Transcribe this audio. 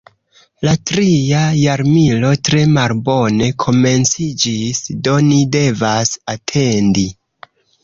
La tria jarmilo tre malbone komenciĝis, do ni devas atendi.